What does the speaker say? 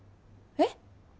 えっ？